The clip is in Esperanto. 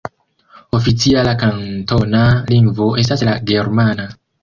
Oficiala kantona lingvo estas la germana.